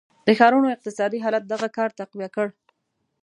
د ښارونو اقتصادي حالت دغه کار تقویه کړ.